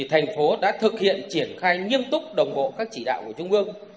thành phố đã thực hiện triển khai nghiêm túc đồng bộ các chỉ đạo của trung ương